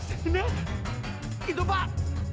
ini itu pak